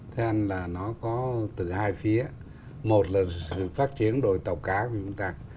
thưa anh là nó có từ hai phía một là sự phát triển đội tàu cá của chúng ta